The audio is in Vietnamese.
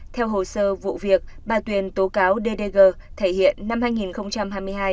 theo hồ sơ vụ việc bà tuyển tố cáo ddg thể hiện năm hai nghìn hai mươi hai